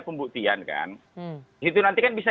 pembuktian kan itu nanti kan bisa